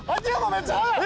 めっちゃ速い！